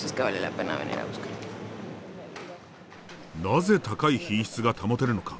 なぜ高い品質が保てるのか。